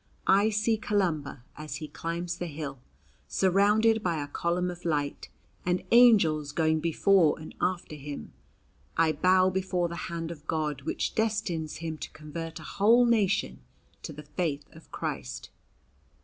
I see Columba, as he climbs the hill, surrounded by a column of light, and angels going before and after him. I bow before the Hand of God which destines him to convert a whole nation to the faith of Christ."